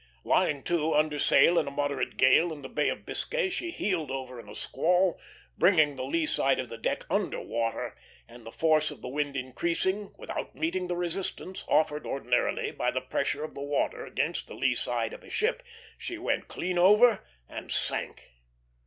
Lying to under sail in a moderate gale, in the Bay of Biscay, she heeled over in a squall, bringing the lee side of the deck under water; and the force of the wind increasing, without meeting the resistance offered ordinarily by the pressure of the water against the lee side of a ship, she went clean over and sank.